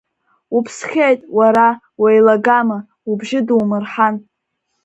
Уԥсхьеит, уара, уеилагама, убжьы думырҳан.